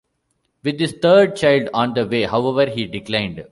With his third child on the way, however, he declined.